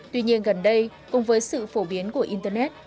tuy nhiên gần đây cùng với sự phổ biến của internet